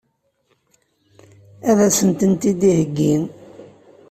Ad sen-tent-id-iheggi?